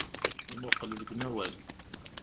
Imuqel deg umawal.